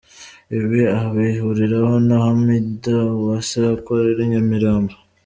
Ibi abihuriraho na Hamida Uwase ukorera i Nyamirambo.